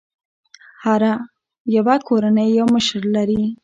هره يوه کورنۍ یو مشر لري.